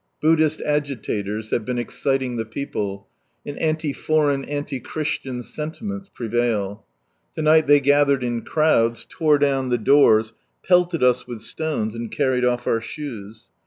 Buddhist agi tators have been exciting the people, and ami foreign, anti Christian sentiments prevail. To night they gathered in crowds, tore down the doors, pelted us with stones, and carried off our shoes.